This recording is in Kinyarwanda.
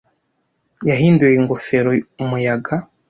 Yahinduye ingofero umuyaga.